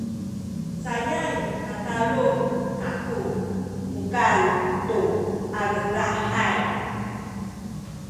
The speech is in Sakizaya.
cayay katalul kaku mukan tu aledahay